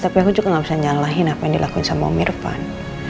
tapi aku juga gak bisa nyalahin apa yang dilakuin sama om irfan